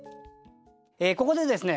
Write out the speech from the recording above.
ここでですね